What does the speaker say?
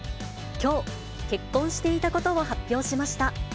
きょう、結婚していたことを発表しました。